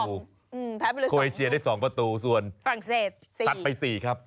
โคเวชเชียได้สองกระตูส่วนฝรั่งเศสสัดไปสี่ครับ